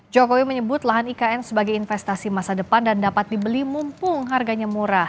jokowi menyebut lahan ikn sebagai investasi masa depan dan dapat dibeli mumpung harganya murah